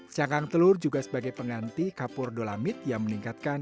cangkang telur juga sebagai pengganti kapur dolamit yang meningkatkan